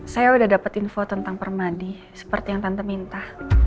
saya sudah dapat info tentang permadi seperti yang tante minta